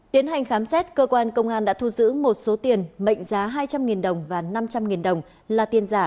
tiến hành khám xét cơ quan công an đã thu giữ một số tiền mệnh giá hai trăm linh đồng và năm trăm linh đồng là tiền giả